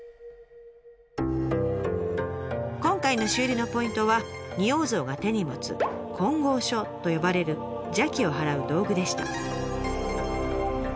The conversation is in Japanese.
今回の修理のポイントは仁王像が手に持つ「金剛杵」と呼ばれる邪気を払う道具でした。